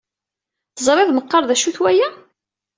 Teẓriḍ meqqar d acu-t waya?